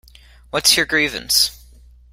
What’s your grievance?